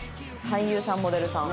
俳優さんモデルさん。